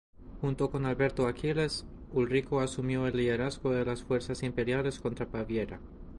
Junto con Alberto Aquiles, Ulrico asumió el liderazgo de las fuerzas imperiales contra Baviera.